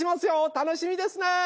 楽しみですね！